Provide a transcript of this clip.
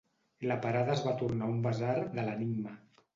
La parada es va tornar un basar de l'enigma.